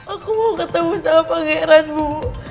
aku mau ketemu sama pangeran bu